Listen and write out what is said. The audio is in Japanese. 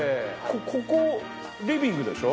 ここリビングでしょ？